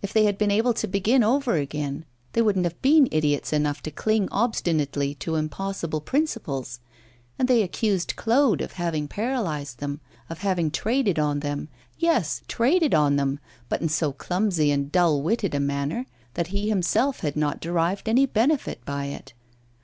If they had been able to begin over again, they wouldn't have been idiots enough to cling obstinately to impossible principles! And they accused Claude of having paralysed them, of having traded on them yes, traded on them, but in so clumsy and dull witted a manner that he himself had not derived any benefit by it.